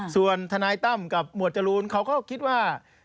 ส่วนทนายตั้มกับหมวดจรูนเขาก็คิดว่า